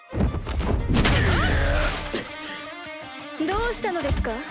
どうしたのですか？